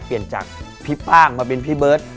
เปลี่ยนจากพี่ป้างมาเป็นพี่เบิร์ต